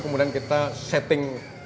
kemudian kita setting